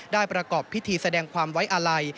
ประกอบพิธีแสดงความไว้อาลัย